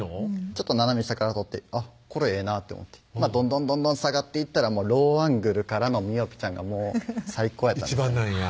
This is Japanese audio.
ちょっと斜め下から撮ってこれええなって思ってどんどんどんどん下がっていったらローアングルからのみおぴちゃんが最高やったんですね